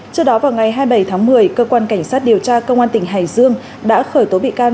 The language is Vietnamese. trước đó vào ngày hai mươi bảy tháng một mươi cơ quan cảnh sát điều tra công an tỉnh hải dương đã khởi tố bị can